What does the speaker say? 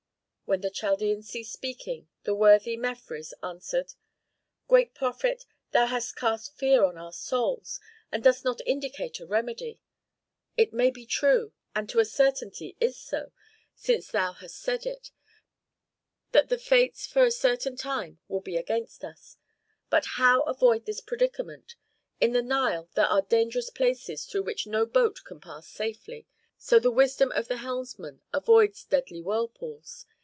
When the Chaldean ceased speaking, the worthy Mefres answered, "Great prophet, thou hast cast fear on our souls, and dost not indicate a remedy. It may be true, and to a certainty is so, since thou hast said it, that the fates for a certain time will be against us, but how avoid this predicament? In the Nile there are dangerous places through which no boat can pass safely; so the wisdom of the helmsmen avoids deadly whirlpools.